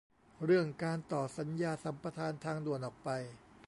เรื่องการต่อสัญญาสัมปทานทางด่วนออกไป